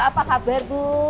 apa kabar bu